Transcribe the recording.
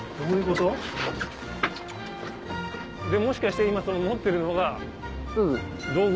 もしかして今持ってるのが道具ですか？